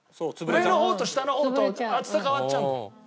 上の方と下の方と厚さ変わっちゃうんだよ。